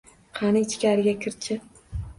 Qani, ichkariga kir-chi